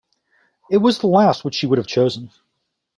It was the last which she would have chosen.